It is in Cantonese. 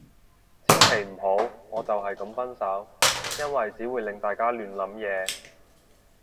千祈唔好，我就係噉分手。因為只會令大家亂諗嘢